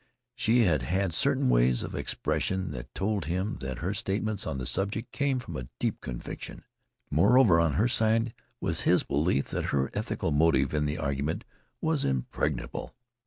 She had had certain ways of expression that told him that her statements on the subject came from a deep conviction. Moreover, on her side, was his belief that her ethical motive in the argument was impregnable.